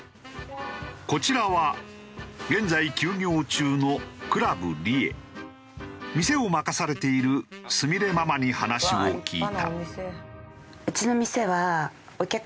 こちらは現在休業中の店を任されているすみれママに話を聞いた。